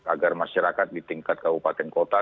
agar masyarakat di tingkat kabupaten kota